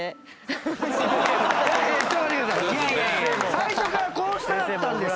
最初からこうしたかったんです！